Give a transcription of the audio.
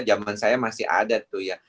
zaman saya masih ada tuh ya